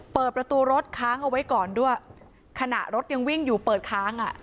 เปิดประตูรถค้างเอาไว้ก่อนด้วยขณะรถยังวิ่งอยู่เปิดค้างอ่ะ